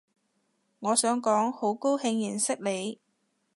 我想講好高興認識你